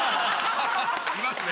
いますね。